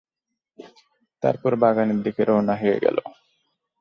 তারপর বাগানের দিকে রওনা হয়ে গেল।